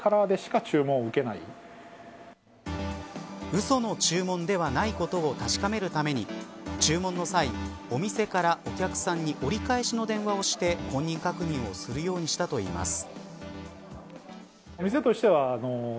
うその注文ではないことを確かめるために注文の際、お店からお客さんに折り返しの電話をして本人確認をするようにしたといいます。